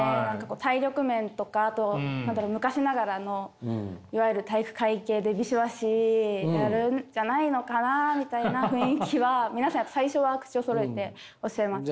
体力面とかあと昔ながらのいわゆる体育会系でビシバシやるんじゃないのかなみたいな雰囲気は皆さん最初は口をそろえておっしゃいます。